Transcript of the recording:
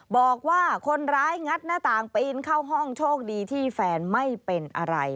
บอกว่าคนร้ายงัดหน้าต่างปีนเข้าห้องโชคดีที่แฟนไม่เป็นอะไร